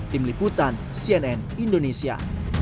tim liputan cnn indonesia